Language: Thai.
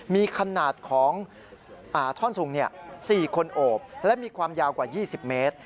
มีขนาดของท่อนสุง๔คนโอบและมีความยาวกว่า๒๐เมตร